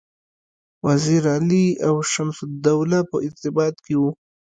وزیر علي او شمس الدوله په ارتباط کې وه.